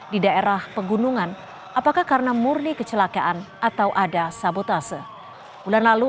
di daerah pegunungan apakah karena murni kecelakaan atau ada sabotase bulan lalu